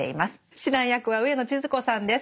指南役は上野千鶴子さんです。